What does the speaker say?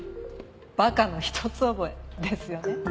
馬鹿の一つ覚えですよね。